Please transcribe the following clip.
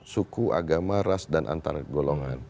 suku agama ras dan antargolongan